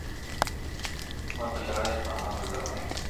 مور په ژړا سي خو عمل بدلولای نه سي,